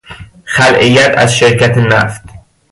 خلع ید از شرکت نفت